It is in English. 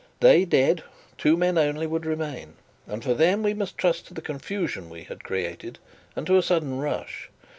They dead, two men only would remain; and for them we must trust to the confusion we had created and to a sudden rush.